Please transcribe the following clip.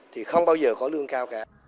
thì không bao giờ có lương cao cả